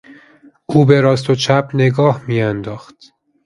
او به راست و چپ نگاه میانداخت.